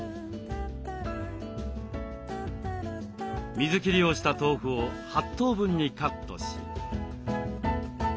水切りをした豆腐を８等分にカットし。